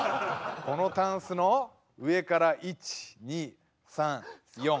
このタンスの上から１２３４５。